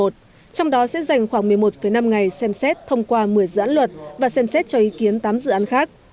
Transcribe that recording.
trong đó sẽ dành khoảng một mươi một năm ngày xem xét thông qua một mươi dự án luật và xem xét cho ý kiến tám dự án khác